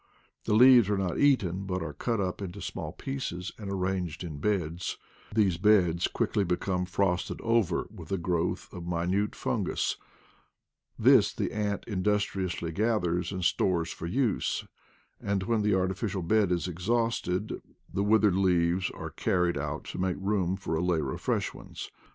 The leaves are not eaten, but are cut up into small pieces and arranged in beds: these beds quickly become frosted over with a growth of minute fungus ; this the ant industriously gathers and stores for use, and when the artificial bed is exhausted the with ered leaves are carried out to make room for a layer of fresh ones.